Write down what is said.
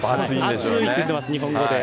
暑いって言ってます、日本語で。